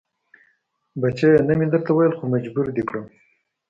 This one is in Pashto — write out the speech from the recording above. بچيه نه مې درته ويل خو مجبور دې کم.